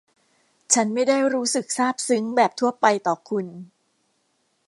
ฉันไม่ได้รู้สึกซาบซึ้งแบบทั่วไปต่อคุณ